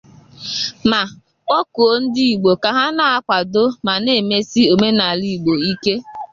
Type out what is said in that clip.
ma kpọkuo ndị Igbo ka ha na-akwàdo ma na-emesi omenala Igbo ike.